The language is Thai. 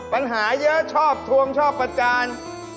ปัญหาเยอะชอบทวงชอบประจาน